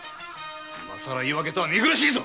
今さら言い訳とは見苦しいぞ！